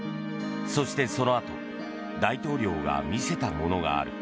そしてそのあと大統領が見せたものがある。